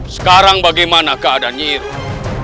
sekarang bagaimana keadaan nyi iroh